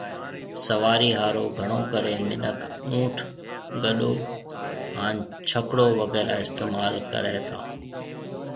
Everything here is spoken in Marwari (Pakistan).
سوارِي ھارو گھڻو ڪري مِنک اُنٺ ، ڪڏو ھان ڇڪڙو وغيرھ استعمال ڪرَي تا